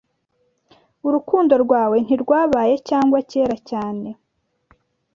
Urukundo rwawe ntirwabaye, cyangwa kera cyane